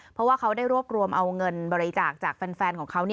เพราะว่าเขาได้รวบรวมเอาเงินบริจาคจากแฟนของเขา